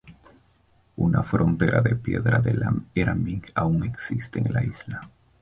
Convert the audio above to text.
Una frontera de piedra de la era Ming aún existe en la isla.